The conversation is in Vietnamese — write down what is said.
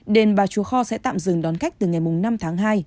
đền bà chúa kho sẽ tạm dừng đón khách từ ngày năm tháng hai